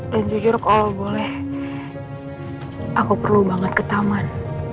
dan jujur kalau boleh aku perlu banget ke taman